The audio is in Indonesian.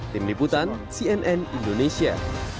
tim liputan cnn indonesia